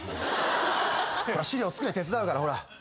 ほら資料作れ手伝うから。